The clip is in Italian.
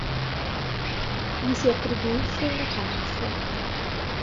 Gli si attribuisce una "canso".